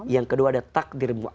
yang kedua ada takdir muallak